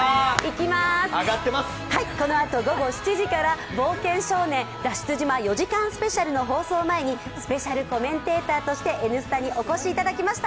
このあと午後７時から「冒険少年」脱出島４時間スペシャルの放送前にスペシャルコメンテーターとして「Ｎスタ」にお越しいただきました